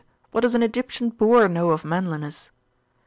What does an Egyptian boor know of manliness!